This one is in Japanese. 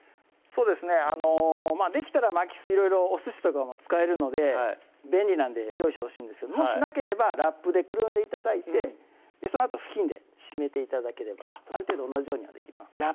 そうですねできたら巻きすいろいろおすしとかも使えるので便利なんで用意してほしいんですけどもしなければラップでくるんで頂いてそのあと布巾で締めて頂ければある程度同じようにはできます